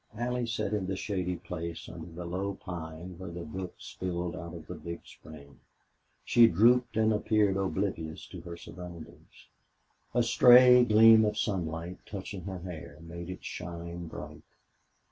Allie sat in the shady place under the low pine where the brook spilled out of the big spring. She drooped and appeared oblivious to her surroundings. A stray gleam of sunlight, touching her hair, made it shine bright.